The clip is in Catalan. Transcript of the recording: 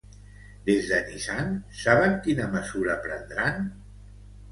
Des de Nissan, saben quina mesura prendran?